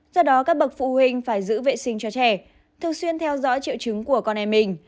do đó các bậc phụ huynh phải giữ vệ sinh cho trẻ thường xuyên theo dõi triệu chứng của con em mình